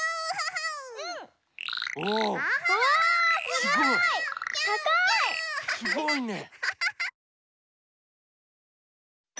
すごいね！